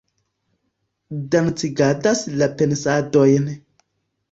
dancigadas la pensadojn